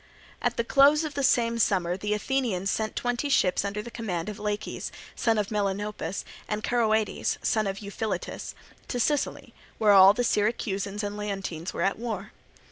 At the close of the same summer the Athenians sent twenty ships under the command of Laches, son of Melanopus, and Charoeades, son of Euphiletus, to Sicily, where the Syracusans and Leontines were at war.